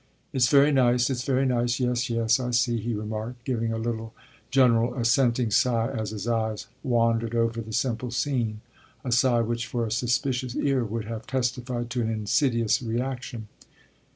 "It's very nice, it's very nice; yes, yes, I see," he remarked, giving a little, general, assenting sigh as his eyes wandered over the simple scene a sigh which for a suspicious ear would have testified to an insidious reaction.